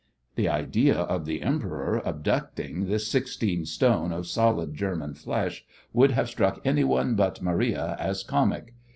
The idea of the Emperor abducting this sixteen stone of solid German flesh would have struck anyone but Maria as comic.